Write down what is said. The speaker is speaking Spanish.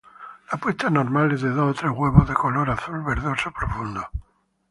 La puesta normal es de dos o tres huevos de color azul verdoso profundo.